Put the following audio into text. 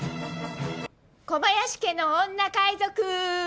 小林家の女海賊。